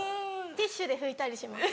ティッシュで拭いたりします。